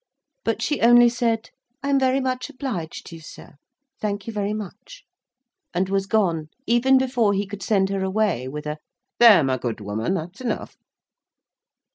But she only said: "I am very much obliged to you, sir. Thank you very much," and was gone, even before he could send her away with a "There, my good woman, that's enough!"